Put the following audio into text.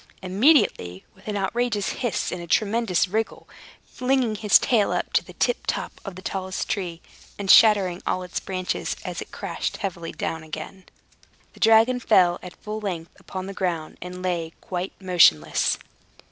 Immediately, with an outrageous hiss and a tremendous wriggle flinging his tail up to the tip top of the tallest tree, and shattering all its branches as it crashed heavily down again the dragon fell at full length upon the ground, and lay quite motionless.